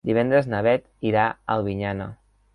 Divendres na Beth irà a Albinyana.